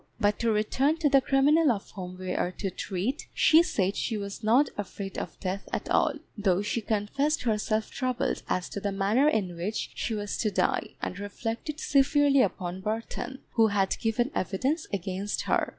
But to return to the criminal of whom we are to treat. She said she was not afraid of death at all, though she confessed herself troubled as to the manner in which she was to die, and reflected severely upon Burton, who had given evidence against her.